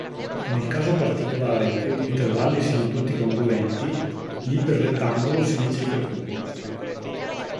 Nel caso particolare in cui gli intervalli siano tutti congruenti, l'iperrettangolo si dice ipercubo.